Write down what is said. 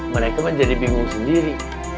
mereka menjadi bingung sendiri